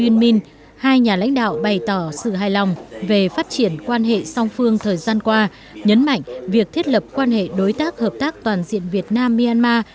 uyên minh hai nhà lãnh đạo bày tỏ sự hài lòng về phát triển quan hệ song phương thời gian qua nhấn mạnh việc thiết lập quan hệ đối tác hợp tác toàn diện việt nam myanmar